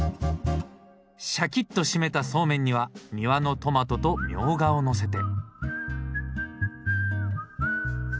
しゃきっと締めたそうめんには庭のトマトとミョウガをのせて。